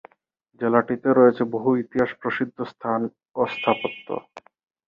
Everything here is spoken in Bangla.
জেলাটিতে রয়েছে বহু ইতিহাস প্রসিদ্ধ স্থান ও স্থাপত্য।